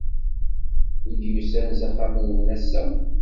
Wi d-yusan s axxam-nnwen ass-a?